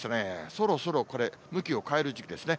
そろそろ、これ、向きを変える時期ですね。